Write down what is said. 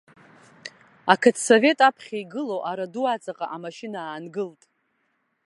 Ақыҭсовет аԥхьа игылоу араду аҵаҟа амашьына аангылт.